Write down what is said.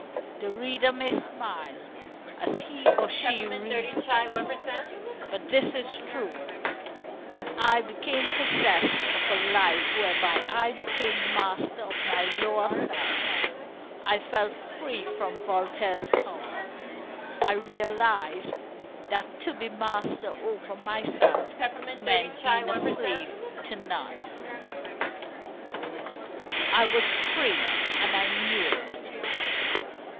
The reader may smile as he or she reads this, but this is true: when I became possessed of a life whereby I became master of my lower self, I felt free from Voltaire's power. I realized that to be master over myself meant being a slave to none. I was free, and I knew it.